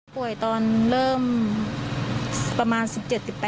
ป่วยตอนเริ่มประมาณ๑๗๑๘อ่ะค่ะ